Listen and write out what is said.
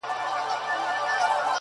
o حب د دنيا، سر د خطا!